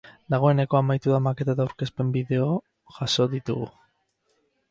Dagoeneko amaitu da maketa eta aurkezpen bideo jaso ditugu.